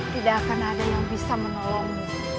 tidak akan ada yang bisa menolong